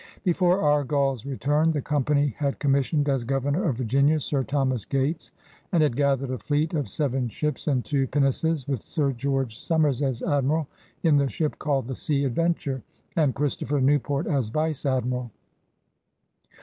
Before Argall's return, the Company had com missioned as Governor of Virginia Sir Thomas Gates, and had gathered a fleet of seven ships and two pinnaces with Sir George Somers as Admiral, in the ship called the Sea Adventure, and Chris topher Newport as Vice Admiral.